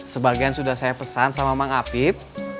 sebagian sudah saya pesan sama mang apip